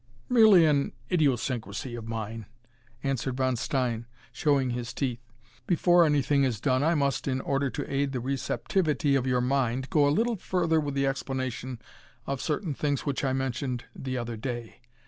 "Merely an idiosyncrasy of mine," answered Von Stein, showing his teeth. "Before anything is done I must, in order to aid the receptivity of your mind, go a little further with the explanation of certain things which I mentioned the other day.